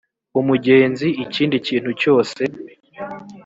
umugenzi ikindi kintu cyose